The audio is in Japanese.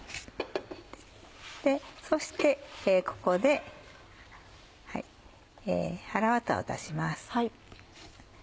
そしてここで腹ワタを出します。